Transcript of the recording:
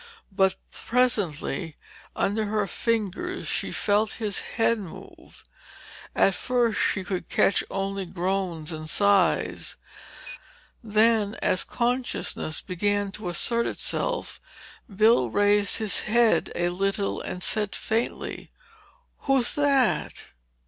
But presently, under her fingers she felt his head move. At first she could only catch groans and sighs. Then, as consciousness began to assert itself, Bill raised his head a little and said faintly: "Who's that?"